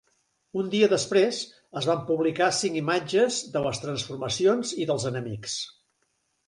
Un dia després es van publicar cinc imatges de les transformacions i dels enemics.